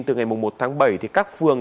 từ ngày một tháng bảy thì các phường